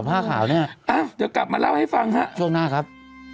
ผ้าขาวแน่อ้าวเดี๋ยวกลับมาเล่าให้ฟังฮะช่วงหน้าครับ